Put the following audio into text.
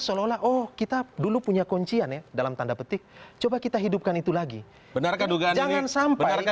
seolah olah oh kita dulu punya kuncian ya dalam tanda petik coba kita hidupkan itu lagi jangan sampai